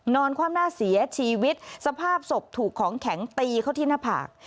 ความหน้าเสียชีวิตสภาพศพถูกของแข็งตีเข้าที่หน้าผาก